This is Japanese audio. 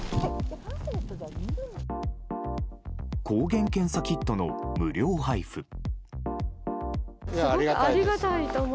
抗原検査キットの無料配布。